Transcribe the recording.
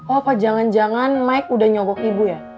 oh apa jangan jangan mike udah nyobok ibu ya